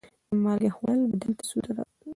د مالګې خوړل بدن ته سوده لري.